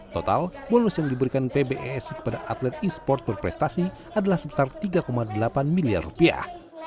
total bonus yang diberikan pbesi kepada atlet e sports berprestasi adalah sebesar tiga delapan miliar rupiah